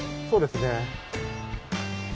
そうですね。